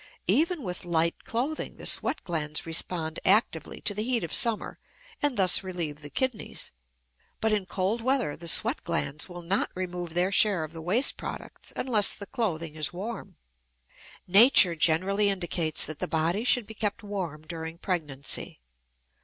Even with light clothing the sweat glands respond actively to the heat of summer and thus relieve the kidneys, but in cold weather the sweat glands will not remove their share of the waste products unless the clothing is warm. Nature generally indicates that the body should be kept warm during pregnancy.